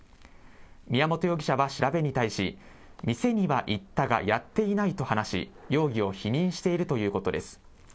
宮本容疑者は調べに対し、店には行ったがやっていないと話し、容疑を否認しているということです。